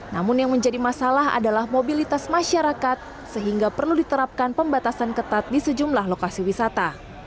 namun yang menjadi masalah adalah mobilitas masyarakat sehingga perlu diterapkan pembatasan ketat di sejumlah lokasi wisata